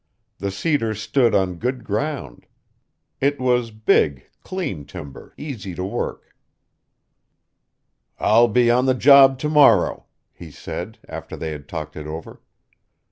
The cedar stood on good ground. It was big, clean timber, easy to work. "I'll be on the job to morrow," he said, after they had talked it over.